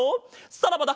さらばだ